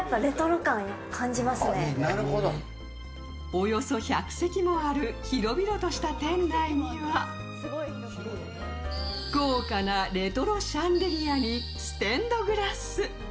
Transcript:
およそ１００席もある広々とした店内には豪華なレトロシャンデリアにステンドグラス。